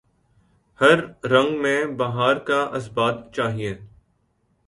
ہر رنگ میں بہار کا اثبات چاہیے